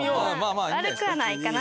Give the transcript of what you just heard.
悪くはないかな？